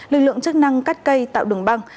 lực lượng chức năng cắt cây tạo đường băng